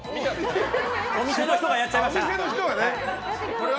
お店の人がやっちゃいました。